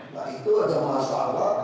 nah itu ada masalah